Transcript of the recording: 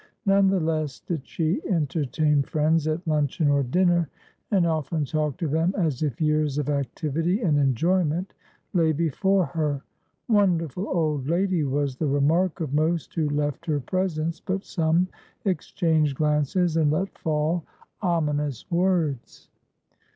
None the less did she entertain friends at luncheon or dinner, and often talked to them as if years of activity and enjoyment lay before her. "Wonderful old lady!" was the remark of most who left her presence; but some exchanged glances and let fall ominous words.